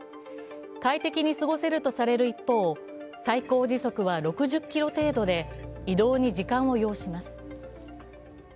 快適に過ごせるとされる一方、最高時速は６０キロ程度で移動に時間を要します。